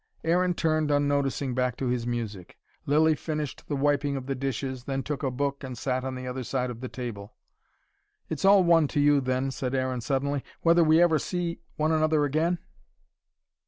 Aaron turned unnoticing back to his music. Lilly finished the wiping of the dishes, then took a book and sat on the other side of the table. "It's all one to you, then," said Aaron suddenly, "whether we ever see one another again?"